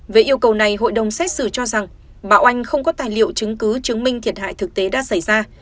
về yêu cầu này hội đồng xét xử cho rằng bà oanh không có tài liệu chứng cứ chứng minh thiệt hại thực tế đã xảy ra